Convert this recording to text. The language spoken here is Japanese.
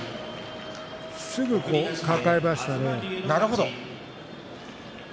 すぐ抱えましたね。